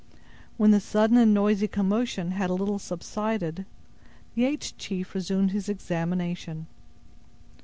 When the sudden and noisy commotion had a little subsided, the aged chief resumed his examination.